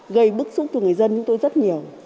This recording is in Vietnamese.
gây bức xúc cho người dân chúng tôi rất nhiều